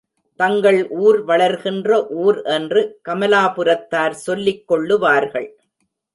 தங்கள் ஊர் வளர்கிற ஊர் என்று கமலாபுரத்தார் சொல்லிக் கொள்ளுவார்கள்.